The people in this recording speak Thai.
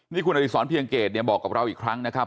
นี่คุณอดิษรเพียงเกตเนี่ยบอกกับเราอีกครั้งนะครับ